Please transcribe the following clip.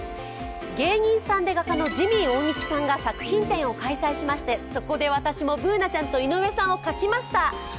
芸人さんで画家のジミー大西さんが作品展を開催しましてそこで私もＢｏｏｎａちゃんと井上さんを描きました。